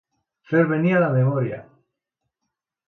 Fer venir a la memòria.